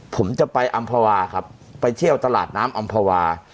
ผมจะไปอำภาวาครับไปเที่ยวตลาดน้ำอำภาวา